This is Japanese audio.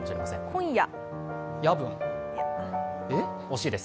今夜？